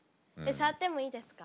触ってもいいですか？